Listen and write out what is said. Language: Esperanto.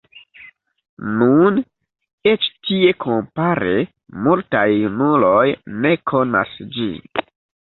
Nun, eĉ tie kompare multaj junuloj ne konas ĝin.